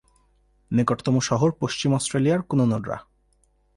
নিকটতম শহর পশ্চিম অস্ট্রেলিয়ার কুনুনুররা।